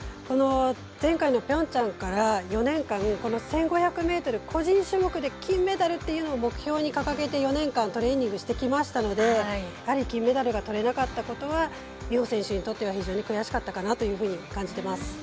前回のピョンチャンから４年間、１５００ｍ個人種目で金メダルを目標に掲げて４年間トレーニングしてきましたのでやはり金メダルが取れなかったことは美帆選手にとっては非常に悔しかったかなと感じています。